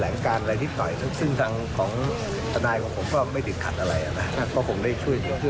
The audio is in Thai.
แล้วก็อาจจะมีการ